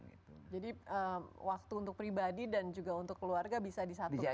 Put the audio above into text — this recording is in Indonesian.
jadi waktu untuk pribadi dan juga untuk keluarga bisa disatukan ya pak